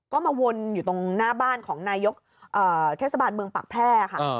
ก็มาวนอยู่ตรงหน้าบ้านของนายกเทศบาลเมืองปากแพร่ค่ะ